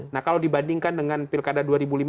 nah kalau dibandingkan dengan pilkada dua ribu lima belas